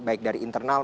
baik dari internal